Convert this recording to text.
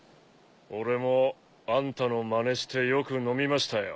俺もあんたのまねしてよく飲みましたよ。